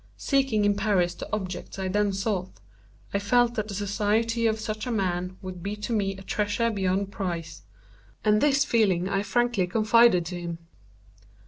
Seeking in Paris the objects I then sought, I felt that the society of such a man would be to me a treasure beyond price; and this feeling I frankly confided to him.